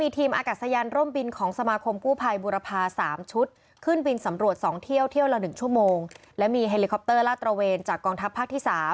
เที่ยวละ๑ชั่วโมงและมีเฮลิคอปเตอร์ล่าตระเวนจากกองทัพภาคที่๓